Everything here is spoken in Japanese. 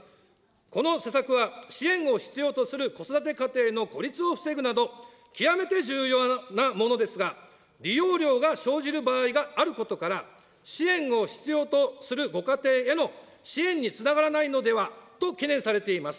この施策は支援を必要とする子育て家庭の孤立を防ぐなど、極めて重要なものですが、利用料が生じる場合があることから、支援を必要とするご家庭への支援につながらないのではと懸念されています。